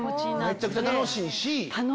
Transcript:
めちゃくちゃ楽しいし。